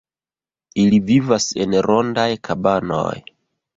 Ili vivas en rondaj kabanoj.